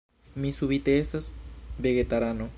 Mi subite estas vegetarano...